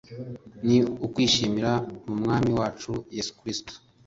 ni ukwishimira mu Mwami wacu Yesu Kristo